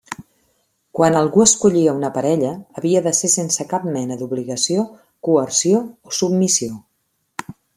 Quan algú escollia una parella havia de ser sense cap mena d'obligació, coerció o submissió.